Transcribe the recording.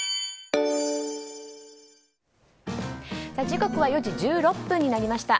時刻は４時１６分になりました。